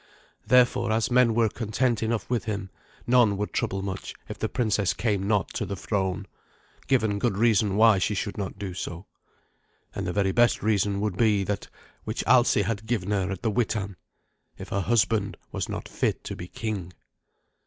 Therefore, as men were content enough with him, none would trouble much if the princess came not to the throne, given good reason why she should not do so. And the very best reason would be that which Alsi had given at the Witan if her husband was not fit to be king.